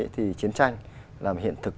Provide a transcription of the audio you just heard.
thì chiến tranh là một hiện thực